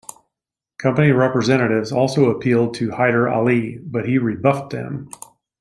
Company representatives also appealed to Hyder Ali, but he rebuffed them.